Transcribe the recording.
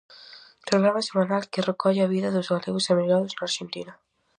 Programa semanal que recolle a vida dos galegos emigrados na Arxentina.